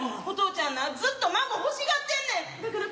お父ちゃんなずっと孫欲しがってんねん。